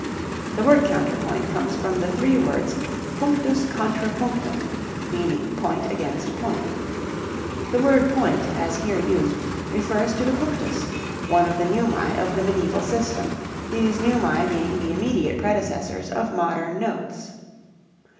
The word counterpoint comes from the three words "punctus contra punctum," meaning "point against point." The word point as here used refers to the punctus one of the neumae of the mediaeval system, these neumae being the immediate predecessors of modern notes.